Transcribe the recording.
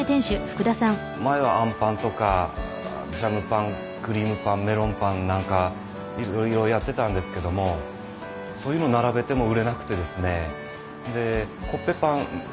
前はあんぱんとかジャムパンクリームパンメロンパンなんかいろいろやってたんですけどもそういうの並べても売れなくてですね。